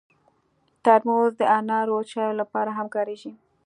ترموز د انارو چایو لپاره هم کارېږي.